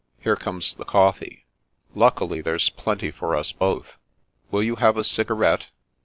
Here comes the coflfee. Luckily, there's plenty for us both. Will you have a cigarette?